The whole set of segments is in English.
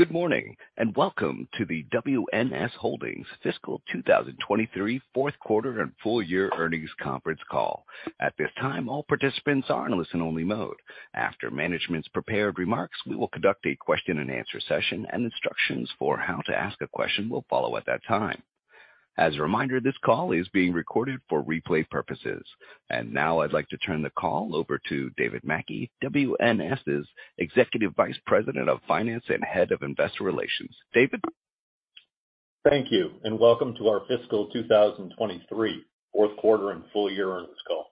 Good morning, and Welcome to the WNS Holdings Fiscal 2023 Fourth Quarter and Full Year Earnings Conference Call. At this time, all participants are in listen-only mode. After management's prepared remarks, we will conduct a question and answer session, and instructions for how to ask a question will follow at that time. As a reminder, this call is being recorded for replay purposes. Now I'd like to turn the call over to David Mackey, WNS's Executive Vice President of Finance and Head of Investor Relations. David? Thank you. Welcome to our fiscal 2023 fourth quarter and full year earnings call.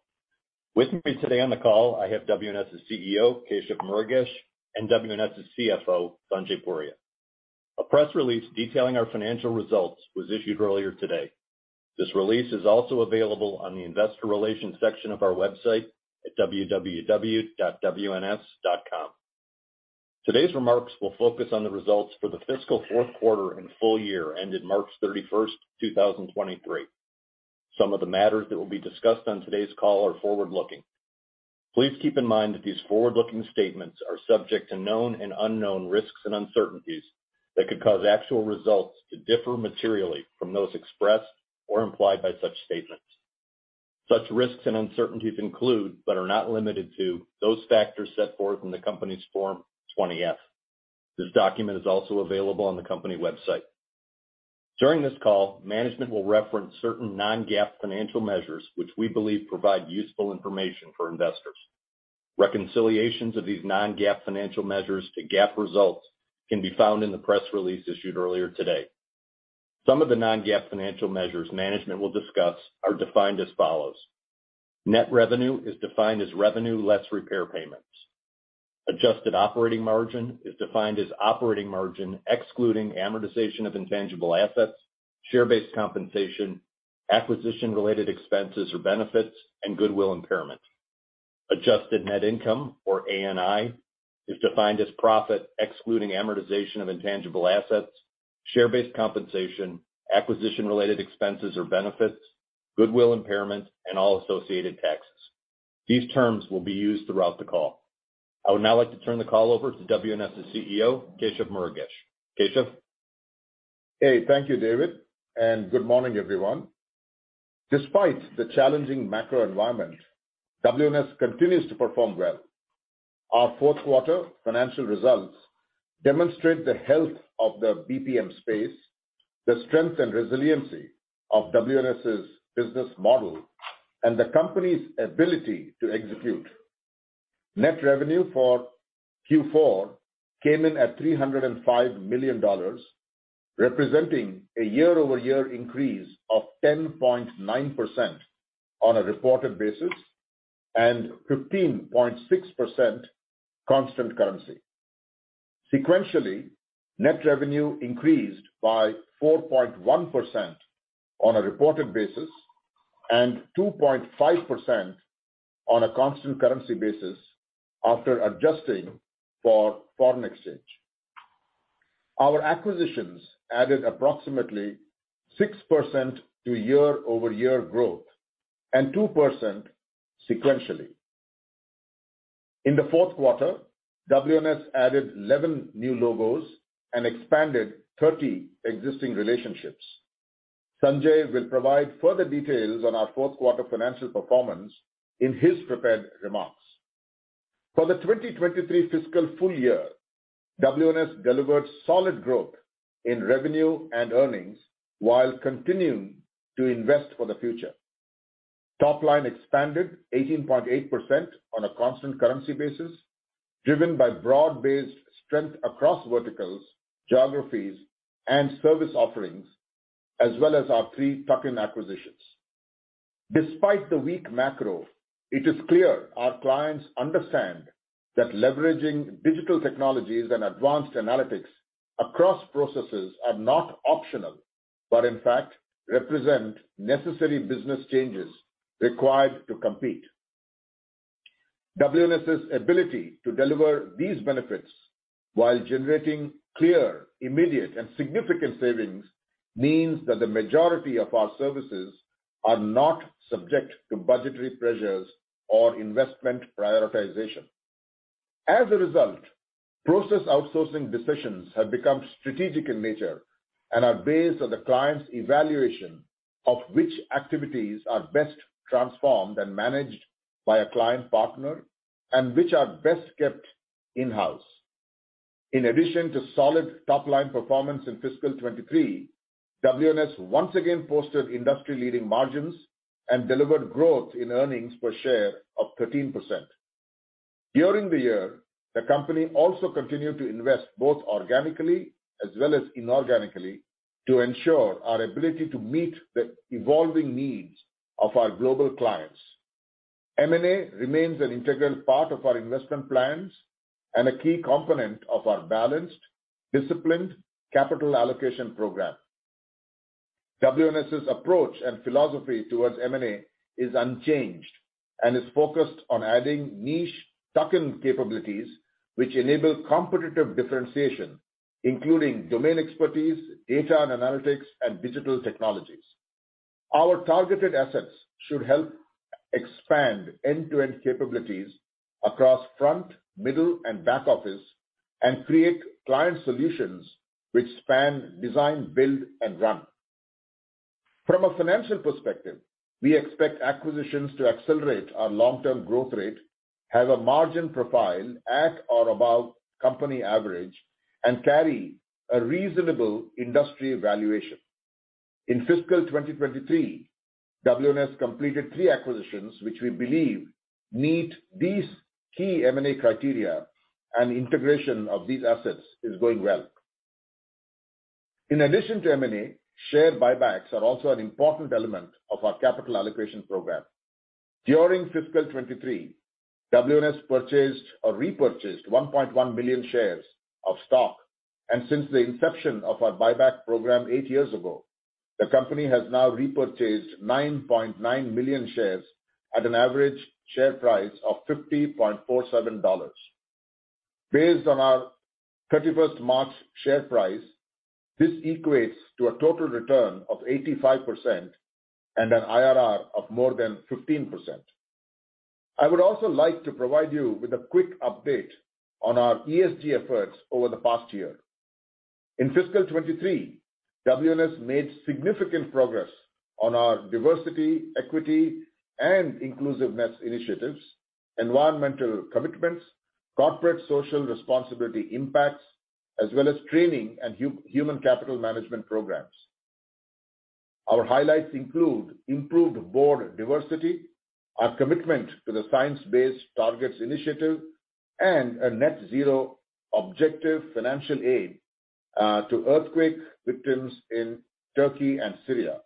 With me today on the call, I have WNS's CEO, Keshav Murugesh, and WNS's CFO, Sanjay Puria. A press release detailing our financial results was issued earlier today. This release is also available on the investor relations section of our website at www.wns.com. Today's remarks will focus on the results for the fiscal fourth quarter and full year ended March 31, 2023. Some of the matters that will be discussed on today's call are forward-looking. Please keep in mind that these forward-looking statements are subject to known and unknown risks and uncertainties that could cause actual results to differ materially from those expressed or implied by such statements. Such risks and uncertainties include, but are not limited to, those factors set forth in the company's Form 20-F. This document is also available on the company website. During this call, management will reference certain non-GAAP financial measures which we believe provide useful information for investors. Reconciliations of these non-GAAP financial measures to GAAP results can be found in the press release issued earlier today. Some of the non-GAAP financial measures management will discuss are defined as follows. Net revenue is defined as revenue less repair payments. Adjusted operating margin is defined as operating margin excluding amortization of intangible assets, share-based compensation, acquisition related expenses or benefits, and goodwill impairment. Adjusted net income, or ANI, is defined as profit excluding amortization of intangible assets, share-based compensation, acquisition related expenses or benefits, goodwill impairment, and all associated taxes. These terms will be used throughout the call. I would now like to turn the call over to WNS's CEO, Keshav Murugesh. Keshav? Hey. Thank you, David, and good morning, everyone. Despite the challenging macro environment, WNS continues to perform well. Our fourth quarter financial results demonstrate the health of the BPM space, the strength and resiliency of WNS's business model, and the company's ability to execute. Net revenue for Q4 came in at $305 million, representing a year-over-year increase of 10.9% on a reported basis, and 15.6% constant currency. Sequentially, net revenue increased by 4.1% on a reported basis and 2.5% on a constant currency basis after adjusting for foreign exchange. Our acquisitions added approximately 6% to year-over-year growth and 2% sequentially. In the fourth quarter, WNS added 11 new logos and expanded 30 existing relationships. Sanjay will provide further details on our fourth quarter financial performance in his prepared remarks. For the 2023 fiscal full year, WNS delivered solid growth in revenue and earnings while continuing to invest for the future. Top line expanded 18.8% on a constant currency basis, driven by broad-based strength across verticals, geographies, and service offerings, as well as our three tuck-in acquisitions. Despite the weak macro, it is clear our clients understand that leveraging digital technologies and advanced analytics across processes are not optional, but in fact represent necessary business changes required to compete. WNS's ability to deliver these benefits while generating clear, immediate, and significant savings means that the majority of our services are not subject to budgetary pressures or investment prioritization. As a result, process outsourcing decisions have become strategic in nature and are based on the client's evaluation of which activities are best transformed and managed by a client partner and which are best kept in-house. In addition to solid top-line performance in fiscal 23, WNS once again posted industry-leading margins and delivered growth in earnings per share of 13%. During the year, the company also continued to invest both organically as well as inorganically to ensure our ability to meet the evolving needs of our global clients. M&A remains an integral part of our investment plans and a key component of our balanced, disciplined capital allocation program. WNS's approach and philosophy towards M&A is unchanged and is focused on adding niche tuck-in capabilities which enable competitive differentiation, including domain expertise, data and analytics, and digital technologies. Our targeted assets should help expand end-to-end capabilities across front, middle, and back office and create client solutions which span design, build, and run. From a financial perspective, we expect acquisitions to accelerate our long-term growth rate, have a margin profile at or above company average, and carry a reasonable industry valuation. In fiscal 2023, WNS completed three acquisitions which we believe meet these key M&A criteria. Integration of these assets is going well. In addition to M&A, share buybacks are also an important element of our capital allocation program. During fiscal 2023, WNS purchased or repurchased 1.1 million shares of stock. Since the inception of our buyback program eight years ago, the company has now repurchased 9.9 million shares at an average share price of $50.47. Based on our 31st March share price, this equates to a total return of 85% and an IRR of more than 15%. I would also like to provide you with a quick update on our ESG efforts over the past year. In fiscal 2023, WNS made significant progress on our diversity, equity, and inclusiveness initiatives, environmental commitments, corporate social responsibility impacts, as well as training and human capital management programs. Our highlights include improved board diversity, our commitment to the Science Based Targets initiative, and a net zero objective financial aid to earthquake victims in Turkey and Syria.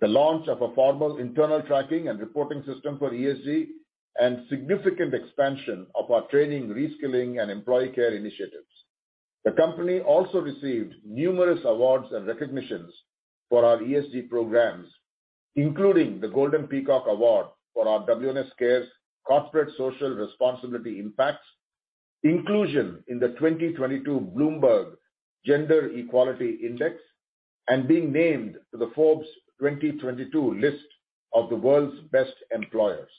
The launch of a formal internal tracking and reporting system for ESG, and significant expansion of our training, reskilling, and employee care initiatives. The company also received numerous awards and recognitions for our ESG programs, including the Golden Peacock Award for our WNS Cares corporate social responsibility impacts, inclusion in the 2022 Bloomberg Gender Equality Index, and being named to the Forbes 2022 list of the world's best employers.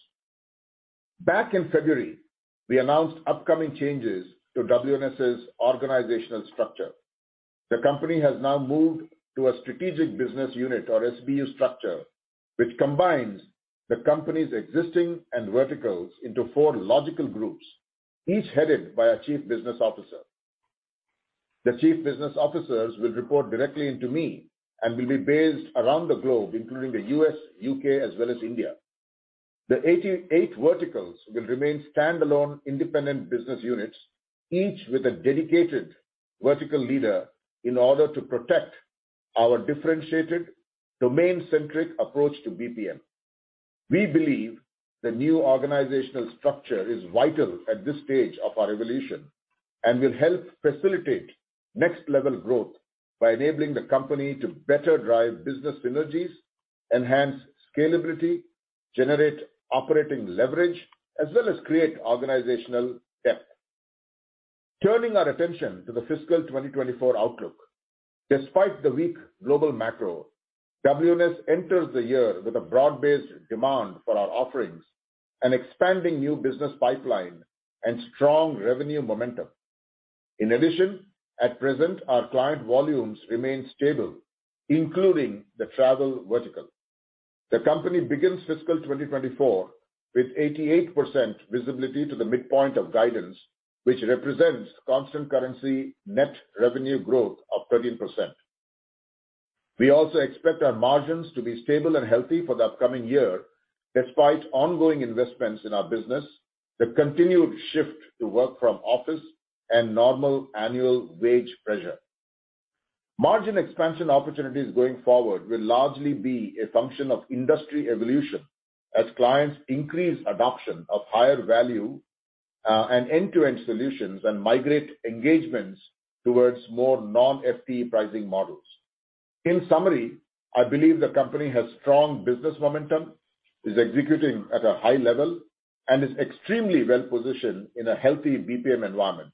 Back in February, we announced upcoming changes to WNS's organizational structure. The company has now moved to a strategic business unit or SBU structure, which combines the company's existing end verticals into four logical groups, each headed by a chief business officer. The chief business officers will report directly to me and will be based around the globe, including the U.S., U.K., as well as India. The eight verticals will remain standalone independent business units, each with a dedicated vertical leader in order to protect our differentiated domain-centric approach to BPM. We believe the new organizational structure is vital at this stage of our evolution and will help facilitate next-level growth by enabling the company to better drive business synergies, enhance scalability, generate operating leverage, as well as create organizational depth. Turning our attention to the fiscal 2024 outlook. Despite the weak global macro, WNS enters the year with a broad-based demand for our offerings, an expanding new business pipeline, and strong revenue momentum. At present, our client volumes remain stable, including the travel vertical. The company begins fiscal 2024 with 88% visibility to the midpoint of guidance, which represents constant currency net revenue growth of 13%. We also expect our margins to be stable and healthy for the upcoming year despite ongoing investments in our business, the continued shift to work from office, and normal annual wage pressure. Margin expansion opportunities going forward will largely be a function of industry evolution as clients increase adoption of higher value and end-to-end solutions and migrate engagements towards more non-FTE pricing models. In summary, I believe the company has strong business momentum, is executing at a high level, and is extremely well-positioned in a healthy BPM environment.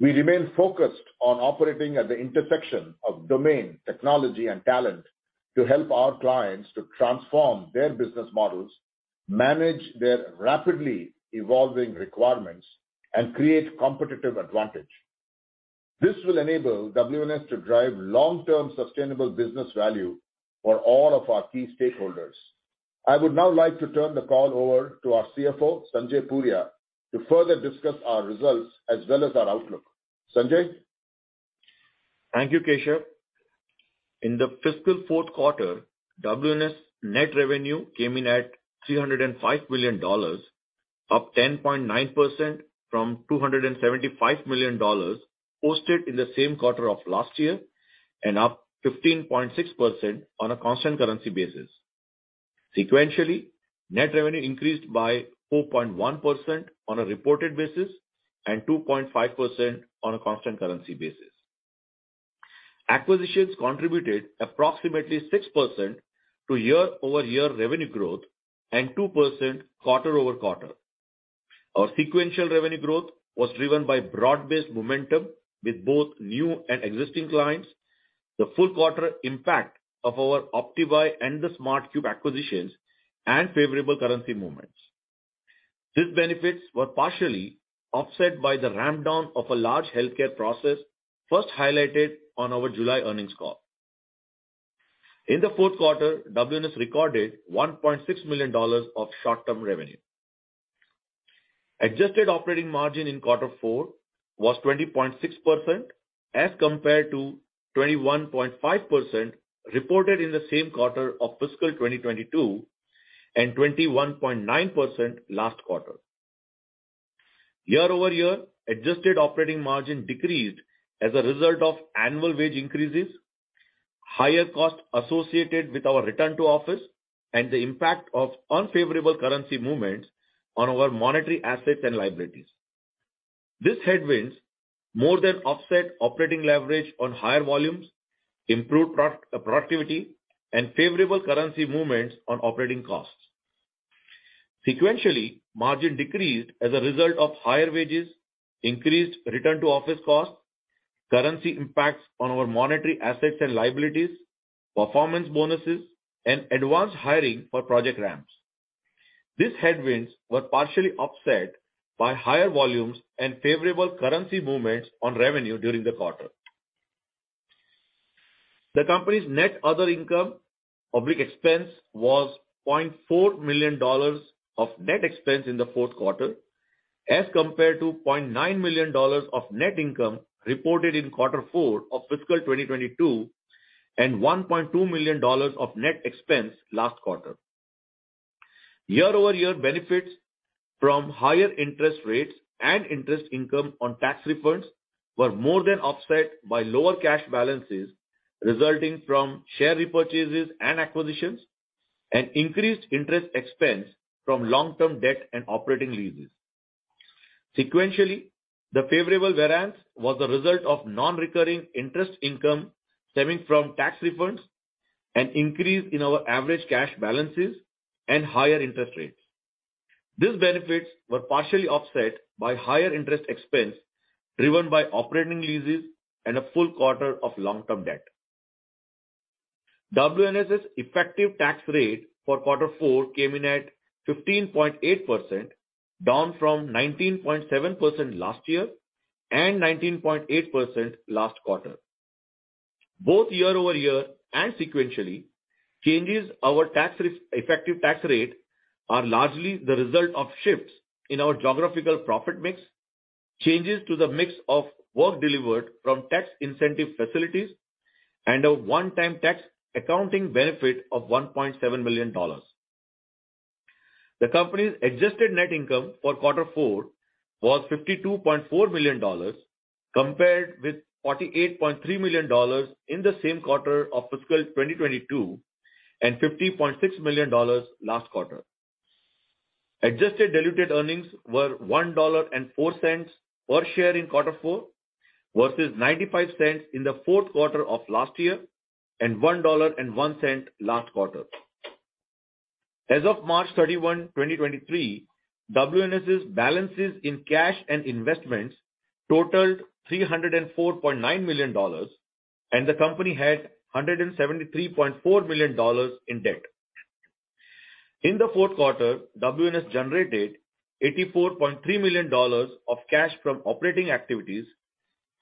We remain focused on operating at the intersection of domain, technology, and talent to help our clients to transform their business models, manage their rapidly evolving requirements, and create competitive advantage. This will enable WNS to drive long-term sustainable business value for all of our key stakeholders. I would now like to turn the call over to our CFO, Sanjay Puri, to further discuss our results as well as our outlook. Sanjay? Thank you, Keshav. In the fiscal fourth quarter, WNS net revenue came in at $305 million, up 10.9% from $275 million posted in the same quarter of last year and up 15.6% on a constant currency basis. Sequentially, net revenue increased by 4.1% on a reported basis and 2.5% on a constant currency basis. Acquisitions contributed approximately 6% to year-over-year revenue growth and 2% quarter-over-quarter. Our sequential revenue growth was driven by broad-based momentum with both new and existing clients, the full quarter impact of our OptiBuy and The Smart Cube acquisitions, favorable currency movements. These benefits were partially offset by the ramp-down of a large HealthCare process first highlighted on our July earnings call. In the fourth quarter, WNS recorded $1.6 million of short-term revenue. Adjusted operating margin in quarter four was 20.6% as compared to 21.5% reported in the same quarter of fiscal 2022, and 21.9% last quarter. Year-over-year adjusted operating margin decreased as a result of annual wage increases, higher costs associated with our return to office, and the impact of unfavorable currency movements on our monetary assets and liabilities. These headwinds more than offset operating leverage on higher volumes, improved product-productivity, and favorable currency movements on operating costs. Sequentially, margin decreased as a result of higher wages, increased return to office costs, currency impacts on our monetary assets and liabilities, performance bonuses, and advanced hiring for project ramps. These headwinds were partially offset by higher volumes and favorable currency movements on revenue during the quarter. The company's net other income or big expense was $0.4 million of net expense in the fourth quarter, as compared to $0.9 million of net income reported in quarter four of fiscal 2022, and $1.2 million of net expense last quarter. Year-over-year benefits from higher interest rates and interest income on tax refunds were more than offset by lower cash balances resulting from share repurchases and acquisitions, and increased interest expense from long-term debt and operating leases. Sequentially, the favorable variance was a result of non-recurring interest income stemming from tax refunds, an increase in our average cash balances, and higher interest rates. These benefits were partially offset by higher interest expense driven by operating leases and a full quarter of long-term debt. WNS's effective tax rate for quarter four came in at 15.8%, down from 19.7% last year, and 19.8% last quarter. Both year-over-year and sequentially, changes our effective tax rate are largely the result of shifts in our geographical profit mix, changes to the mix of work delivered from tax incentive facilities, and a one-time tax accounting benefit of $1.7 million. The company's adjusted net income for quarter four was $52.4 million, compared with $48.3 million in the same quarter of fiscal 2022, and $50.6 million last quarter. Adjusted diluted earnings were $1.04 per share in quarter four versus $0.95 in the fourth quarter of last year, and $1.01 last quarter. As of March 31, 2023, WNS's balances in cash and investments totaled $304.9 million, and the company had $173.4 million in debt. In the fourth quarter, WNS generated $84.3 million of cash from operating activities,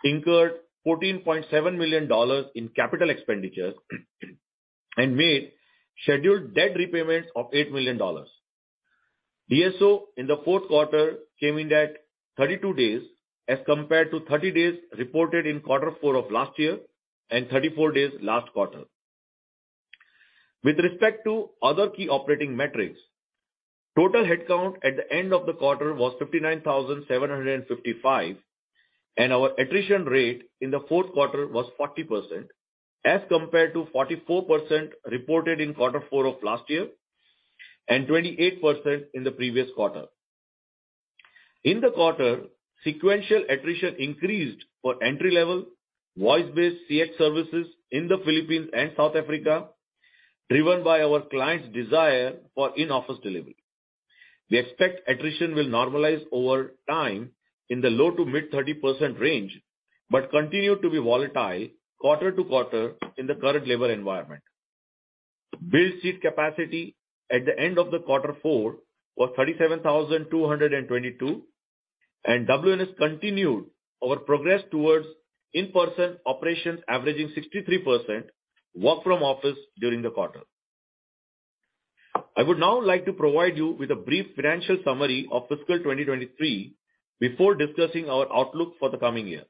incurred $14.7 million in capital expenditures, and made scheduled debt repayments of $8 million. DSO in the fourth quarter came in at 32 days as compared to 30 days reported in quarter four of last year, and 34 days last quarter. With respect to other key operating metrics, total headcount at the end of the quarter was 59,755, and our attrition rate in the fourth quarter was 40% as compared to 44% reported in quarter four of last year, and 28% in the previous quarter. In the quarter, sequential attrition increased for entry-level, voice-based CX services in the Philippines and South Africa, driven by our clients' desire for in-office delivery. We expect attrition will normalize over time in the low to mid-30% range, but continue to be volatile quarter to quarter in the current labor environment. Billed seat capacity at the end of Q4 was 37,222, WNS continued our progress towards in-person operations averaging 63% work from office during the quarter. I would now like to provide you with a brief financial summary of fiscal 2023 before discussing our outlook for the coming year.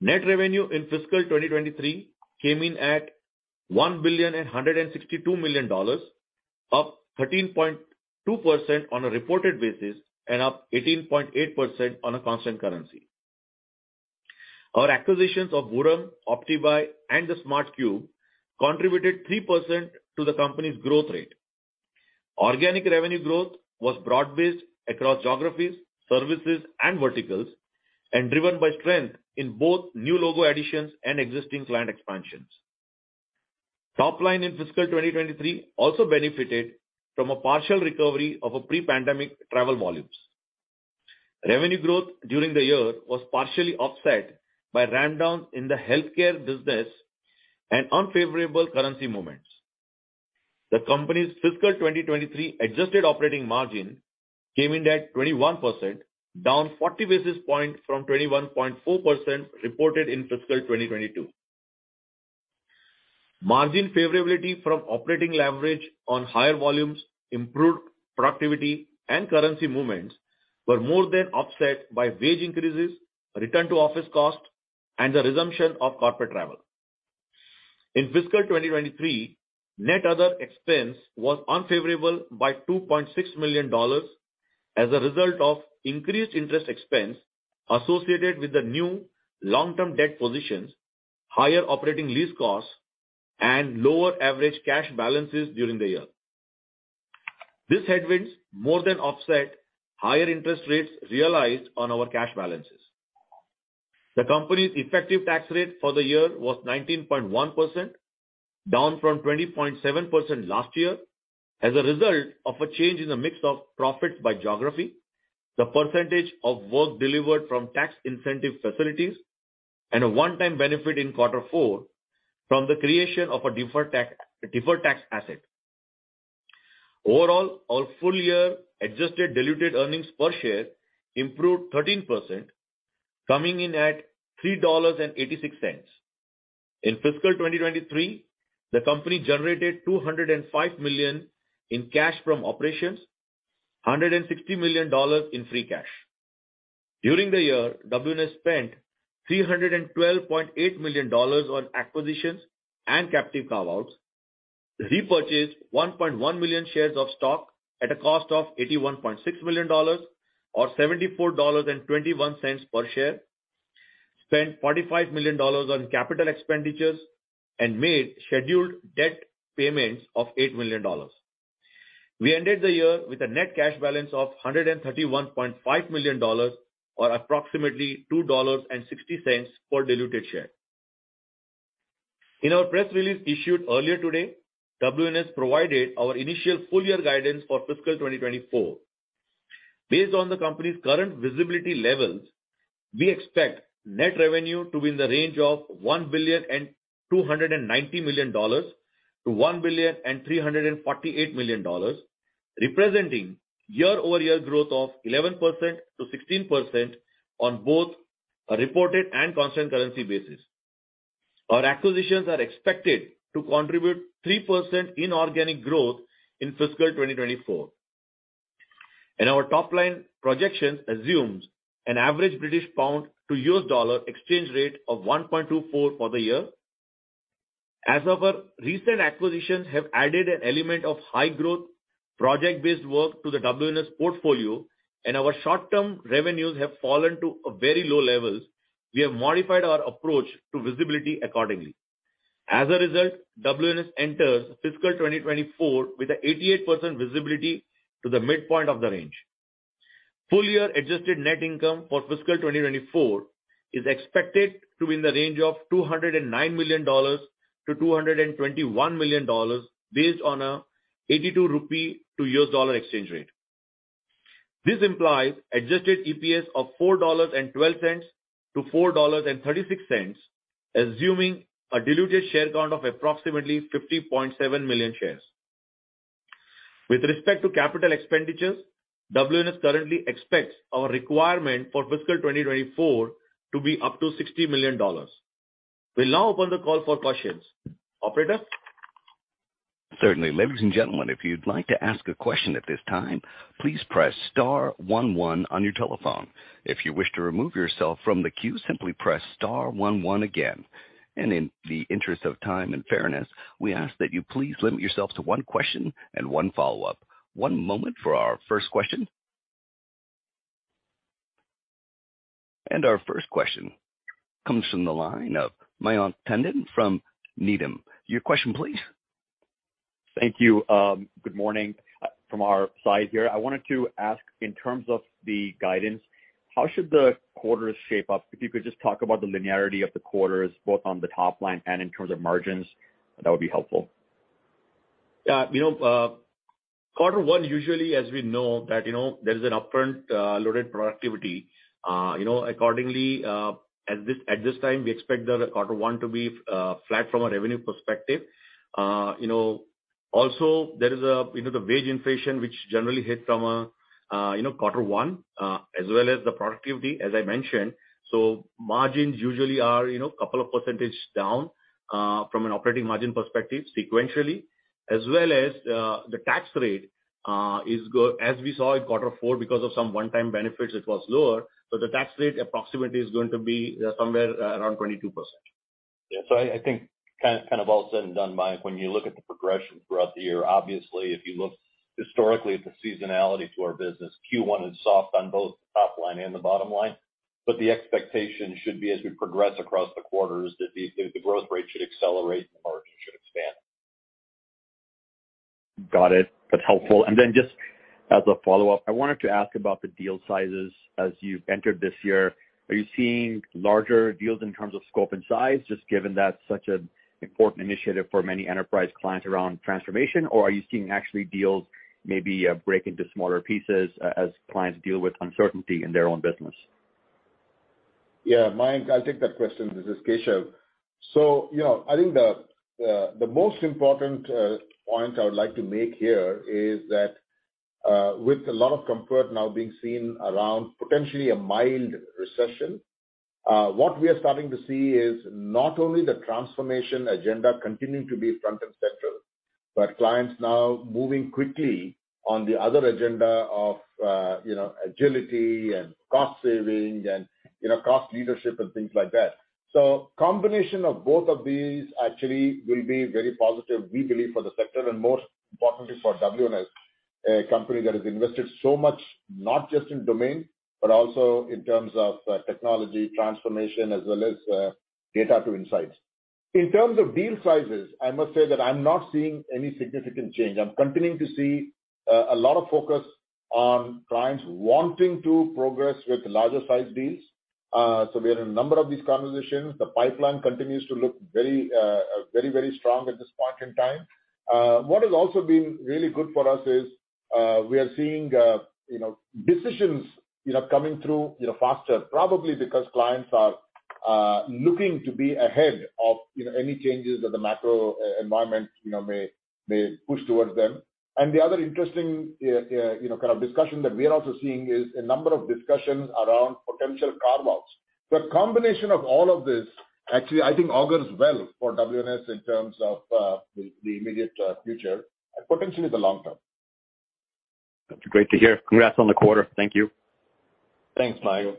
Net revenue in fiscal 2023 came in at $1.162 billion, up 13.2% on a reported basis and up 18.8% on a constant currency. Our acquisitions of Vuram, OptiBuy, and The Smart Cube contributed 3% to the company's growth rate. Organic revenue growth was broad-based across geographies, services, and verticals, and driven by strength in both new logo additions and existing client expansions. Top line in fiscal 2023 also benefited from a partial recovery of a pre-pandemic travel volumes. Revenue growth during the year was partially offset by ramp-down in the healthcare business and unfavorable currency movements. The company's fiscal 2023 adjusted operating margin came in at 21%, down 40 basis points from 21.4% reported in fiscal 2022. Margin favorability from operating leverage on higher volumes, improved productivity and currency movements were more than offset by wage increases, return to office cost, and the resumption of corporate travel. In fiscal 2023, net other expense was unfavorable by $2.6 million as a result of increased interest expense associated with the new long-term debt positions, higher operating lease costs, and lower average cash balances during the year. These headwinds more than offset higher interest rates realized on our cash balances. The company's effective tax rate for the year was 19.1%, down from 20.7% last year as a result of a change in the mix of profits by geography, the percentage of work delivered from tax incentive facilities, and a one-time benefit in Q4 from the creation of a deferred tax asset. Overall, our full year adjusted diluted earnings per share improved 13% coming in at $3.86. In fiscal 2023, the company generated $205 million in cash from operations, $160 million in free cash. During the year, WNS spent $312.8 million on acquisitions and captive carve-outs, repurchased 1.1 million shares of stock at a cost of $81.6 million or $74.21 per share, spent $45 million on capital expenditures and made scheduled debt payments of $8 million. We ended the year with a net cash balance of $131.5 million or approximately $2.60 per diluted share. In our press release issued earlier today, WNS provided our initial full year guidance for fiscal 2024. Based on the company's current visibility levels, we expect net revenue to be in the range of $1.29 billion to $1.348 billion, representing year-over-year growth of 11%-16% on both a reported and constant currency basis. Our acquisitions are expected to contribute 3% inorganic growth in fiscal 2024. Our top line projections assumes an average British pound to US dollar exchange rate of 1.24 for the year. As our recent acquisitions have added an element of high growth project-based work to the WNS portfolio and our short-term revenues have fallen to very low levels, we have modified our approach to visibility accordingly. As a result, WNS enters fiscal 2024 with 88% visibility to the midpoint of the range. Full year adjusted net income for fiscal 2024 is expected to be in the range of $209 million-$221 million based on an 82 rupee to U.S. dollar exchange rate. This implies adjusted EPS of $4.12-$4.36, assuming a diluted share count of approximately 50.7 million shares. With respect to capital expenditures, WNS currently expects our requirement for fiscal 2024 to be up to $60 million. We'll now open the call for questions. Operator? Certainly. Ladies and gentlemen, if you'd like to ask a question at this time, please press star one one on your telephone. If you wish to remove yourself from the queue, simply press star one one again. In the interest of time and fairness, we ask that you please limit yourself to 1 question and 1 follow-up. One moment for our first question. Our first question comes from the line of Mayank Tandon from Needham. Your question please. Thank you. Good morning from our side here. I wanted to ask in terms of the guidance, how should the quarters shape up? If you could just talk about the linearity of the quarters, both on the top line and in terms of margins, that would be helpful. Yeah. You know, Q1 usually as we know that, you know, there is an upfront loaded productivity. You know, accordingly, at this, at this time, we expect the Q1 to be flat from a revenue perspective. You know, also there is a, you know, the wage inflation, which generally hits from, you know, Q1, as well as the productivity as I mentioned. Margins usually are, you know, couple of % down from an operating margin perspective sequentially, as well as the tax rate, as we saw in Q4 because of some one-time benefits it was lower. The tax rate approximately is going to be somewhere around 22%. Yeah. I think kind of all said and done, Mayank, when you look at the progression throughout the year, obviously if you look historically at the seasonality to our business, Q1 is soft on both the top line and the bottom line. The expectation should be as we progress across the quarters that the growth rate should accelerate and margins should expand. Got it. That's helpful. Then just as a follow-up, I wanted to ask about the deal sizes as you've entered this year. Are you seeing larger deals in terms of scope and size, just given that's such an important initiative for many enterprise clients around transformation? Or are you seeing actually deals maybe break into smaller pieces as clients deal with uncertainty in their own business? Yeah, Mayank, I'll take that question. This is Keshav. You know, I think the most important point I would like to make here is that with a lot of comfort now being seen around potentially a mild recession, what we are starting to see is not only the transformation agenda continuing to be front and center, but clients now moving quickly on the other agenda of, you know, agility and cost saving and, you know, cost leadership and things like that. Combination of both of these actually will be very positive, we believe, for the sector and most importantly for WNS, a company that has invested so much, not just in domain, but also in terms of technology transformation as well as data to insights. In terms of deal sizes, I must say that I'm not seeing any significant change. I'm continuing to see a lot of focus on clients wanting to progress with larger size deals. We are in a number of these conversations. The pipeline continues to look very, very strong at this point in time. What has also been really good for us is we are seeing, you know, decisions, you know, coming through, you know, faster, probably because clients are looking to be ahead of, you know, any changes that the macro e-environment, you know, may push towards them. The other interesting, you know, kind of discussion that we are also seeing is a number of discussions around potential carve-outs. The combination of all of this actually, I think augurs well for WNS in terms of the immediate future and potentially the long term. That's great to hear. Congrats on the quarter. Thank you. Thanks, Mayank.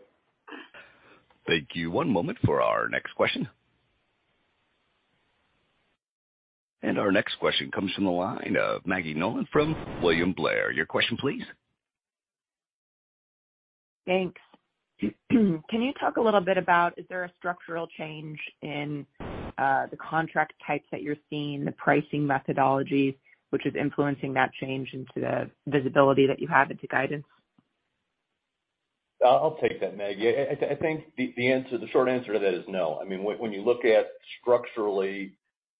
Thank you. One moment for our next question. Our next question comes from the line of Maggie Nolan from William Blair. Your question please. Thanks. Can you talk a little bit about is there a structural change in the contract types that you're seeing, the pricing methodologies, which is influencing that change into the visibility that you have into guidance? I'll take that, Maggie. I think the answer, the short answer to that is no. When you look at structurally,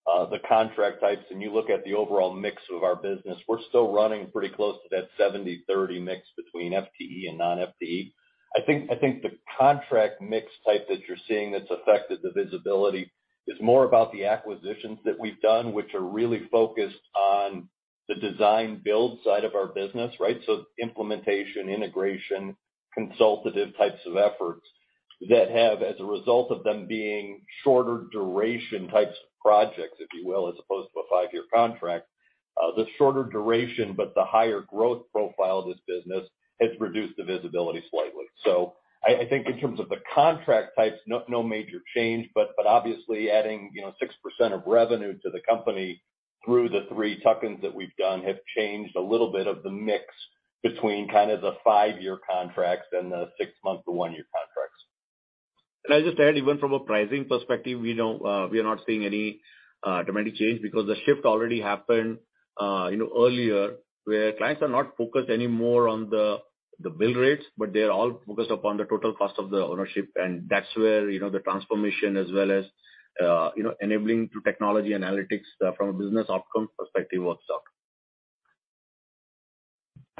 the contract types and you look at the overall mix of our business, we're still running pretty close to that 70-30 mix between FTE and non-FTE. I think the contract mix type that you're seeing that's affected the visibility is more about the acquisitions that we've done, which are really focused on the design build side of our business, right? Implementation, integration, consultative types of efforts that have, as a result of them being shorter duration types of projects, if you will, as opposed to a five-year contract. The shorter duration, but the higher growth profile of this business has reduced the visibility slightly. I think in terms of the contract types, no major change, but obviously adding, you know, 6% of revenue to the company through the three tuck-ins that we've done have changed a little bit of the mix between kind of the five-year contracts and the six-month to one-year contracts. Can I just add even from a pricing perspective, we don't, we are not seeing any dramatic change because the shift already happened, you know, earlier, where clients are not focused anymore on the bill rates, but they're all focused upon the total cost of the ownership. That's where, you know, the transformation as well as, you know, enabling through technology analytics, from a business outcome perspective works out.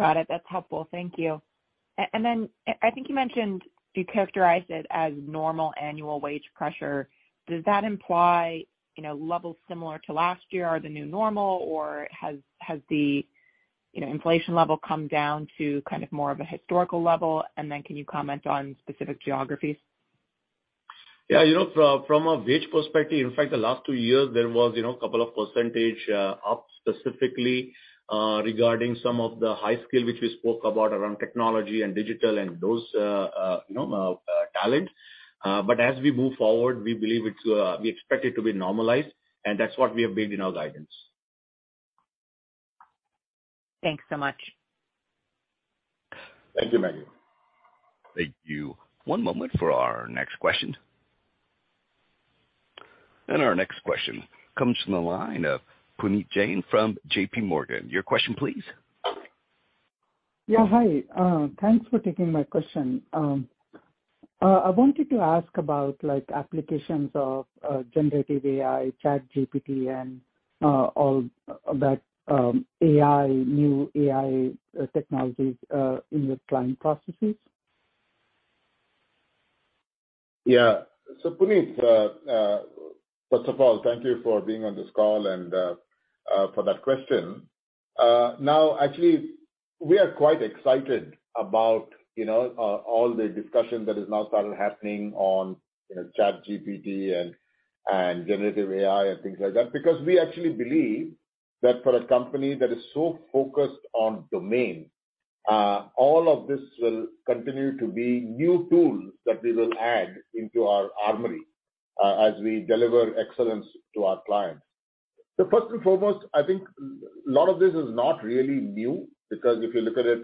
Got it. That's helpful. Thank you. I think you mentioned you characterized it as normal annual wage pressure. Does that imply, you know, levels similar to last year are the new normal, or has the, you know, inflation level come down to kind of more of a historical level? Can you comment on specific geographies? Yeah, you know, from a wage perspective, in fact, the last two years there was, you know, a couple of percentage up specifically regarding some of the high skill which we spoke about around technology and digital and those, you know, talents. As we move forward, we believe it's, we expect it to be normalized, and that's what we have built in our guidance. Thanks so much. Thank you, Maggie. Thank you. One moment for our next question. Our next question comes from the line of Puneet Jain from JPMorgan. Your question please. Yeah, hi. thanks for taking my question. I wanted to ask about like, applications of generative AI, ChatGPT, and all that, AI, new AI, technologies in your client processes. Puneet, first of all, thank you for being on this call and for that question. Actually, we are quite excited about, you know, all the discussion that has now started happening on, you know, ChatGPT and generative AI and things like that, because we actually believe that for a company that is so focused on domain, all of this will continue to be new tools that we will add into our armory, as we deliver excellence to our clients. First and foremost, I think lot of this is not really new because if you look at it,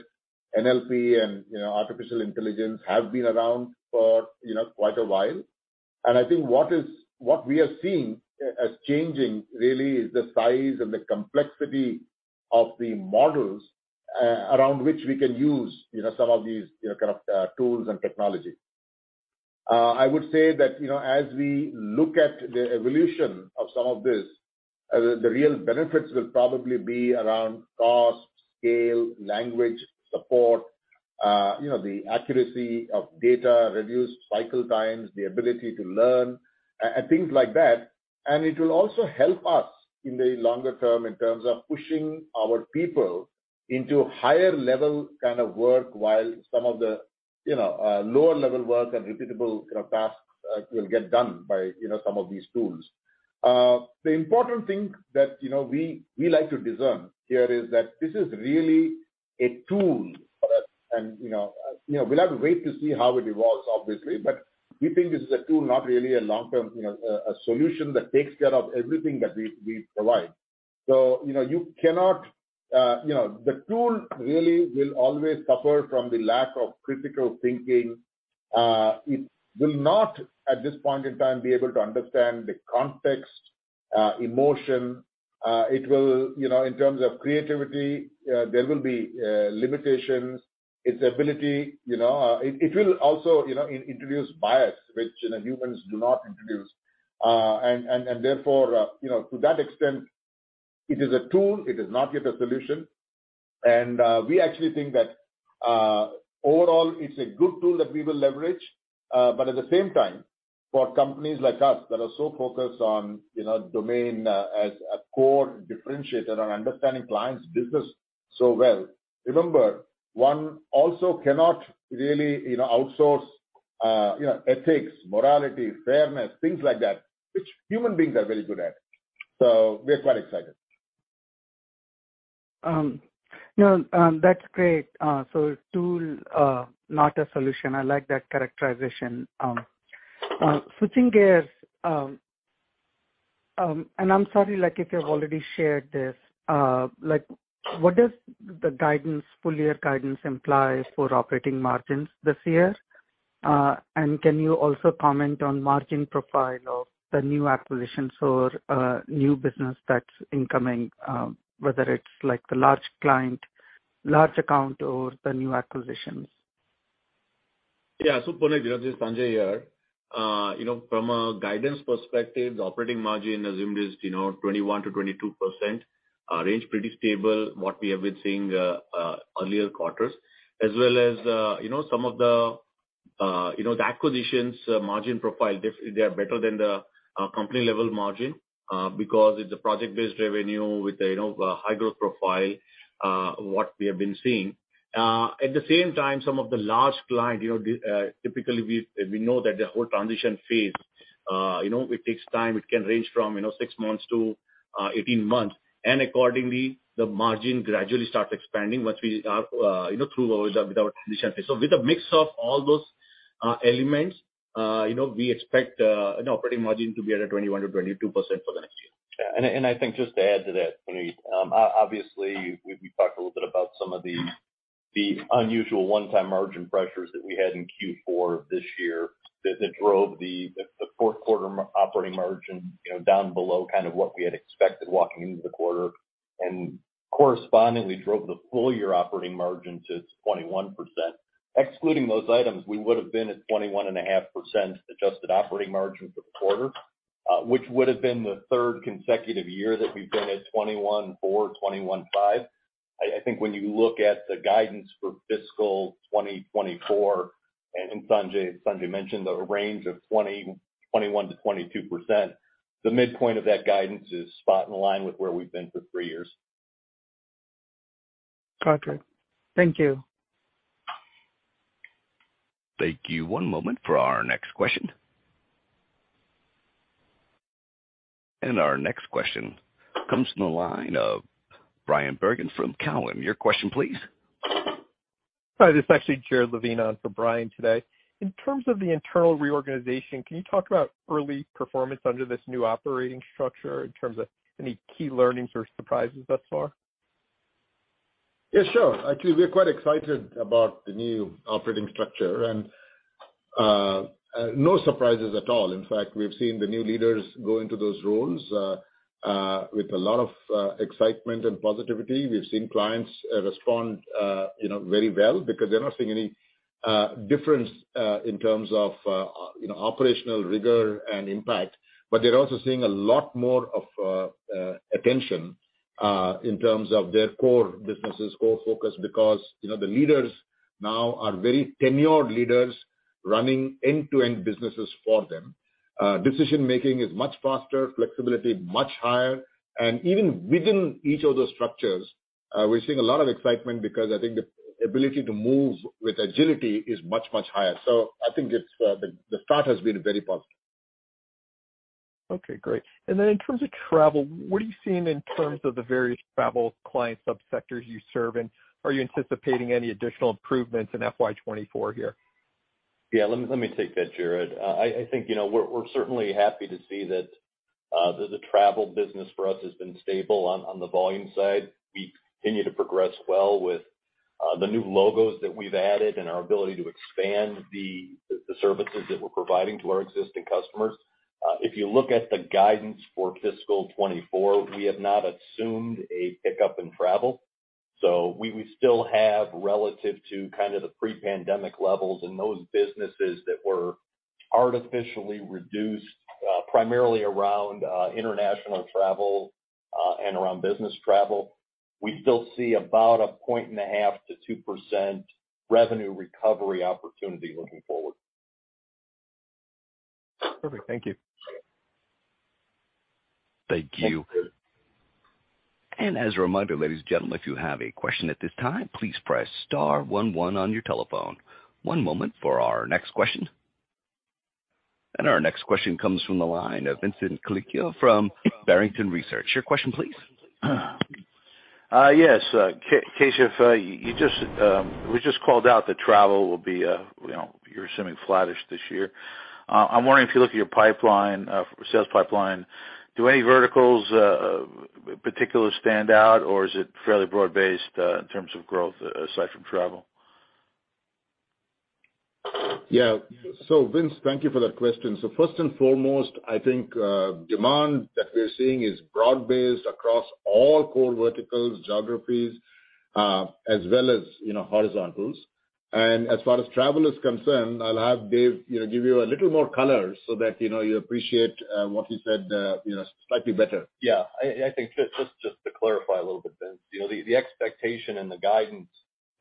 NLP and, you know, artificial intelligence have been around for, you know, quite a while. I think what we are seeing as changing really is the size and the complexity of the models around which we can use, you know, some of these, you know, kind of tools and technology. I would say that, you know, as we look at the evolution of some of this, the real benefits will probably be around cost, scale, language, support, you know, the accuracy of data, reduced cycle times, the ability to learn, and things like that. It will also help us in the longer term in terms of pushing our people into higher level kind of work while some of the, you know, lower level work and repeatable kind of tasks, will get done by, you know, some of these tools. The important thing that, you know, we like to discern here is that this is really a tool for us. You know, you know, we'll have to wait to see how it evolves obviously. We think this is a tool, not really a long-term, you know, a solution that takes care of everything that we provide. You know, you cannot, you know, the tool really will always suffer from the lack of critical thinking. It will not, at this point in time, be able to understand the context, emotion. It will, you know, in terms of creativity, there will be limitations. Its ability, you know. It will also, you know, introduce bias, which, you know, humans do not introduce. Therefore, you know, to that extent, it is a tool, it is not yet a solution. We actually think that, overall it's a good tool that we will leverage. At the same time, for companies like us that are so focused on, you know, domain, as a core differentiator and understanding clients' business so well, remember, one also cannot really, you know, outsource, you know, ethics, morality, fairness, things like that, which human beings are very good at. We're quite excited. No, that's great. So tool, not a solution. I like that characterization. Switching gears, and I'm sorry, like if you've already shared this, like what does the guidance, full year guidance imply for operating margins this year? Can you also comment on margin profile of the new acquisitions or, new business that's incoming, whether it's like the large client, large account, or the new acquisitions? Yeah. Puneet, this is Sanjay here. You know, from a guidance perspective, the operating margin assumed is, you know, 21%-22%. Range pretty stable what we have been seeing earlier quarters. As well as, you know, some of the, you know, the acquisitions margin profile, they are better than the company level margin, because it's a project-based revenue with a, you know, high growth profile, what we have been seeing. At the same time, some of the large client, you know, typically we know that the whole transition phase, you know, it takes time. It can range from, you know, six months to, 18 months, and accordingly, the margin gradually starts expanding once we are, you know, through our, with our transition phase. With a mix of all those elements, you know, we expect, you know, operating margin to be at a 21%-22% for the next year. Yeah. I think just to add to that, Puneet, obviously we talked a little bit about some of the unusual one-time margin pressures that we had in Q4 this year that drove the fourth quarter operating margin, you know, down below kind of what we had expected walking into the quarter, and correspondingly drove the full year operating margin to 21%. Excluding those items, we would have been at 21.5% adjusted operating margin for the quarter, which would have been the third consecutive year that we've been at 21.4%, 21.5%. I think when you look at the guidance for fiscal 2024, and Sanjay mentioned the range of 20%-22%, the midpoint of that guidance is spot in line with where we've been for three years. Got you. Thank you. Thank you. One moment for our next question. Our next question comes from the line of Bryan Bergin from Cowen. Your question please. Hi, this is actually Jared Levine for Bryan today. In terms of the internal reorganization, can you talk about early performance under this new operating structure in terms of any key learnings or surprises thus far? Yeah, sure. Actually, we're quite excited about the new operating structure and, no surprises at all. In fact, we've seen the new leaders go into those roles, with a lot of excitement and positivity. We've seen clients, respond, you know, very well because they're not seeing any difference, in terms of, you know, operational rigor and impact. They're also seeing a lot more of attention, in terms of their core businesses, core focus, because, you know, the leaders now are very tenured leaders running end-to-end businesses for them. Decision-making is much faster, flexibility much higher. Even within each of those structures, we're seeing a lot of excitement because I think the ability to move with agility is much, much higher. I think it's the start has been very positive. Okay. Great. Then in terms of travel, what are you seeing in terms of the various travel client subsectors you serve? Are you anticipating any additional improvements in FY 2024 here? Yeah. Let me take that, Jared. I think, you know, we're certainly happy to see that. The travel business for us has been stable on the volume side. We continue to progress well with the new logos that we've added and our ability to expand the services that we're providing to our existing customers. If you look at the guidance for fiscal 2024, we have not assumed a pickup in travel. We still have relative to kind of the pre-pandemic levels in those businesses that were artificially reduced, primarily around international travel, and around business travel. We still see about a point and a half to 2% revenue recovery opportunity looking forward. Perfect. Thank you. Thank you. As a reminder, ladies and gentlemen, if you have a question at this time, please press star one one on your telephone. One moment for our next question. Our next question comes from the line of Vincent Colicchio from Barrington Research. Your question, please. Yes, Keshav, you just. We just called out that travel will be, you know, you're assuming flattish this year. I'm wondering if you look at your pipeline, sales pipeline, do any verticals particular stand out, or is it fairly broad-based in terms of growth aside from travel? Yeah. Vince, thank you for that question. First and foremost, I think, demand that we're seeing is broad-based across all core verticals, geographies, as well as, you know, horizontals. As far as travel is concerned, I'll have Dave, you know, give you a little more color so that, you know, you appreciate, what he said, you know, slightly better. I think just to clarify a little bit, Vince. You know, the expectation and the guidance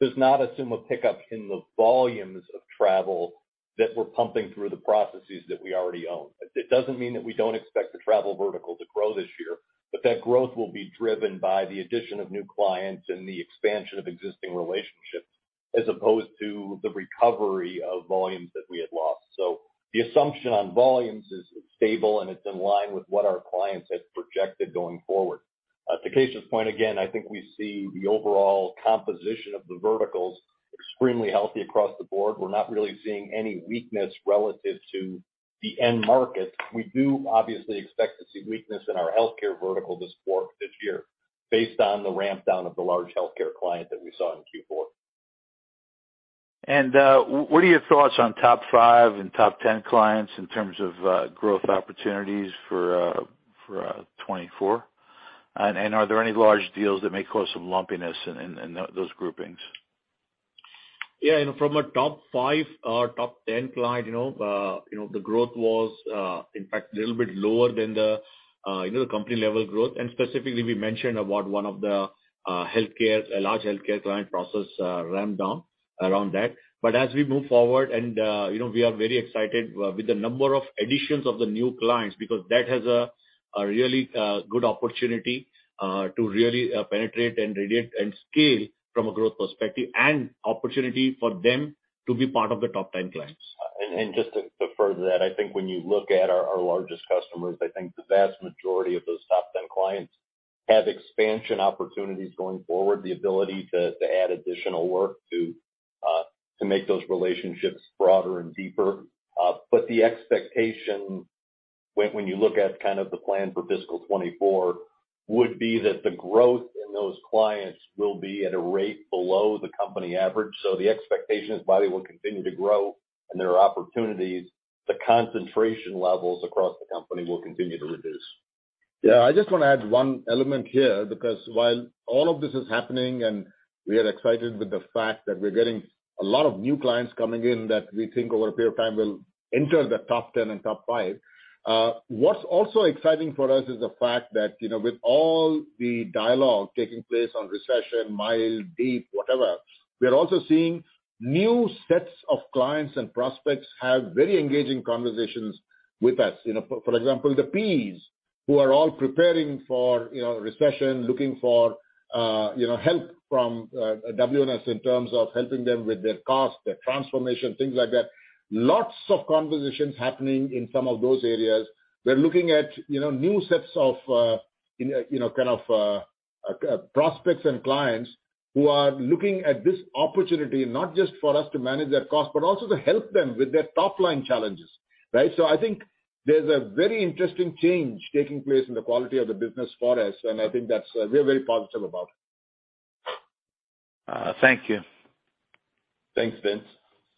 does not assume a pickup in the volumes of travel that we're pumping through the processes that we already own. It doesn't mean that we don't expect the travel vertical to grow this year, but that growth will be driven by the addition of new clients and the expansion of existing relationships, as opposed to the recovery of volumes that we had lost. The assumption on volumes is stable, and it's in line with what our clients have projected going forward. To Keshav's point, again, I think we see the overall composition of the verticals extremely healthy across the board. We're not really seeing any weakness relative to the end market. We do obviously expect to see weakness in our healthcare vertical this year based on the ramp-down of the large healthcare client that we saw in Q4. What are your thoughts on top 5 and top 10 clients in terms of growth opportunities for 2024? Are there any large deals that may cause some lumpiness in those groupings? Yeah, you know, from a top five or top 10 client, you know, the growth was in fact a little bit lower than the, you know, the company level growth. Specifically, we mentioned about one of the healthcare, a large healthcare client process, ramp-down around that. As we move forward and, you know, we are very excited with the number of additions of the new clients because that has a really good opportunity to really penetrate and radiate and scale from a growth perspective and opportunity for them to be part of the top 10 clients. Just to further that, I think when you look at our largest customers, I think the vast majority of those top 10 clients have expansion opportunities going forward, the ability to add additional work to make those relationships broader and deeper. The expectation when you look at kind of the plan for fiscal 2024 would be that the growth in those clients will be at a rate below the company average. The expectations by will continue to grow and there are opportunities. The concentration levels across the company will continue to reduce. I just wanna add one element here because while all of this is happening and we are excited with the fact that we're getting a lot of new clients coming in that we think over a period of time will enter the top 10 and top five, what's also exciting for us is the fact that, you know, with all the dialogue taking place on recession, mild, deep, whatever, we are also seeing new sets of clients and prospects have very engaging conversations with us. You know, for example, the P's who are all preparing for, you know, recession, looking for, you know, help from WNS in terms of helping them with their cost, their transformation, things like that. Lots of conversations happening in some of those areas. We're looking at, you know, new sets of, you know, kind of, prospects and clients who are looking at this opportunity not just for us to manage their cost, but also to help them with their top-line challenges. Right? I think there's a very interesting change taking place in the quality of the business for us, and I think that's. We're very positive about it. Thank you. Thanks, Vince.